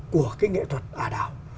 của cái nghệ thuật ả đạo